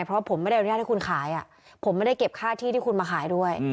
เพราะผมไม่ได้อนุญาตให้คุณขายผมไม่ได้เก็บค่าที่ที่คุณมาขายด้วย